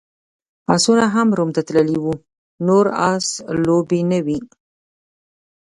اسونه هم روم ته تللي وو، نور اس لوبې نه وې.